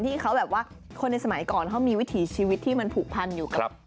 ที่เขาแบบว่าคนในสมัยก่อนเขามีวิถีชีวิตที่มันผูกพันอยู่กับ